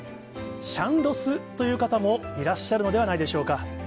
シャンロスという方もいらっしゃるのではないでしょうか。